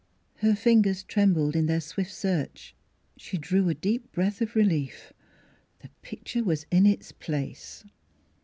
Her fingers trembled in their swift search. She drew a deep breath of relief: the picture was in its place.